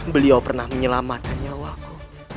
beliau pernah menyelamatkan nyawaku